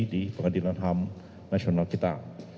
di pengadilan ham nasional kita